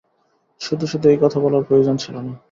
শুধু শুধু এই কথা বলার প্রয়োজন ছিল না।